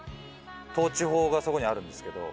倒置法がそこにはあるんですけど。